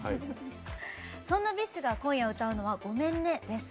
そんなＢｉＳＨが今夜、歌うのは「ごめんね」です。